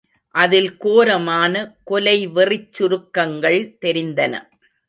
அதில் கோரமான கொலைவெறிச் சுருக்கங்கள் தெரிந்தன.